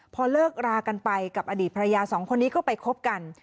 พอเลิกรากันไปกับอดีตภรรยาสองคนนี้ก็ไปคบกัน